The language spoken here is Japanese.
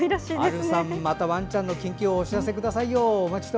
Ａｌｕさん、またワンちゃんの近況をお知らせください。